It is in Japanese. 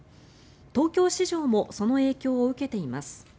東京市場もその影響を受けています。